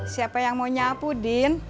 siapa yang mau nyapu din